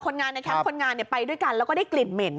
งานในแคมป์คนงานไปด้วยกันแล้วก็ได้กลิ่นเหม็น